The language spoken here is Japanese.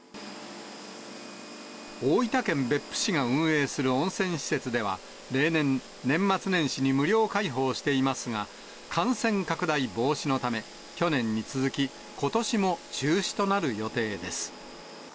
大分県別府市が運営する温泉施設では、例年、年末年始に無料開放していますが、感染拡大防止のため、去年に続き、ことしも中止となる予定です。